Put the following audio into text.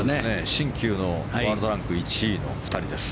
新旧のワールドランク１位の２人です。